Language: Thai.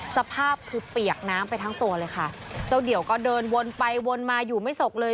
สภาพคือเปียกน้ำไปทั้งตัวเลยค่ะเจ้าเดี่ยวก็เดินวนไปวนมาอยู่ไม่สกเลย